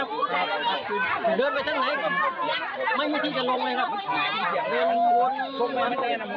คืออะไรก็ถือดีใจครับพูดดีใจครับ